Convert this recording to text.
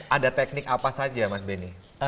ada teknik apa saja mas benny